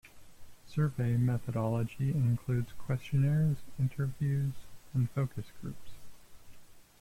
Survey methodology includes questionnaires, interviews, and focus groups.